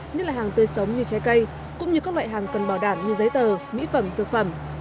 như là hàng tươi sống như trái cây cũng như các loại hàng cần bảo đảm như giấy tờ mỹ phẩm dược phẩm